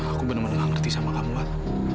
aku benar benar ngerti sama kamu wak